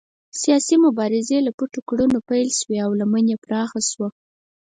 سیاسي مبارزې له پټو کړنو پیل شوې او لمن یې پراخه شوه.